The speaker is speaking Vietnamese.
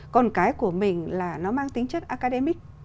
còn cái của mình là nó mang tính chất academic